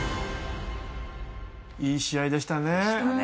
いい試合でしたね。